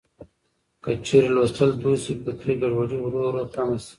که چېرې لوستل دود شي، فکري ګډوډي ورو ورو کمه شي.